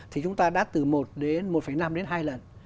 thì chúng ta đã từ một đến một năm đến hai lần